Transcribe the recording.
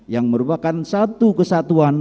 yang merupakan satu kesatuan